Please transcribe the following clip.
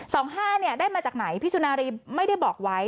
สองห้าเนี่ยได้มาจากไหนพี่สุนารีไม่ได้บอกไว้